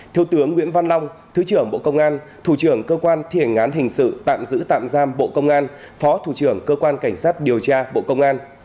thứ trưởng bộ công an thứ trưởng bộ công an thủ trưởng cơ quan thiển án hình sự tạm giữ tạm giam bộ công an phó thủ trưởng cơ quan cảnh sát điều tra bộ công an